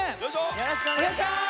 よろしくお願いします！